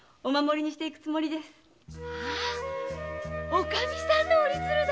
おかみさんの折り鶴だ！